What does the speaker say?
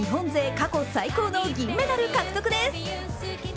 過去最高の銀メダル獲得です。